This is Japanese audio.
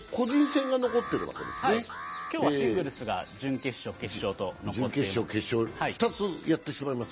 今日はシングルスが準決勝、決勝と残っています。